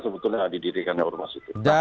sebetulnya didirikannya ormas itu